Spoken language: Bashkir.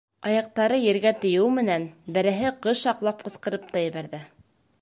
Аяҡтары ергә тейеү менән береһе ҡыш аҡлап ҡысҡырып та ебәрҙе: